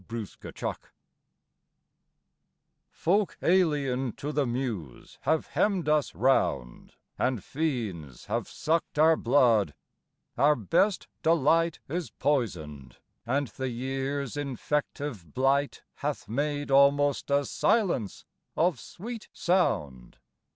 TO PERCY BUCK Folk alien to the Muse have hemm'd us round And fiends have suck'd our blood: our best delight Is poison'd, and the year's infective blight Hath made almost a silence of sweet sound.